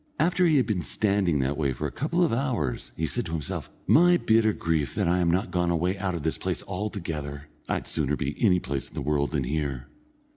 After he had been standing that way for a couple of hours, he said to himself: "My bitter grief that I am not gone away out of this place altogether. I'd sooner be any place in the world than here.